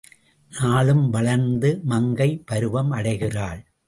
நாளும் வளர்ந்து மங்கைப் பருவம் அடைகிறாள்.